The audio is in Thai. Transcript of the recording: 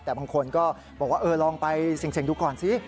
แต่บางคนก็บอกว่าเออลองไปเสี่ยงดูก่อนสิ